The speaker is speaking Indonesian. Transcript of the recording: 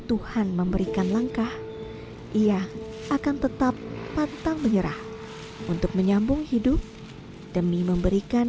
tuhan memberikan langkah ia akan tetap pantang menyerah untuk menyambung hidup demi memberikan